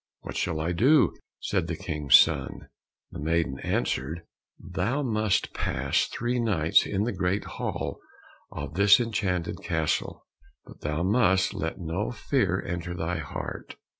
"What shall I do?" said the King's son. The maiden answered, "Thou must pass three nights in the great hall of this enchanted castle, but thou must let no fear enter thy heart.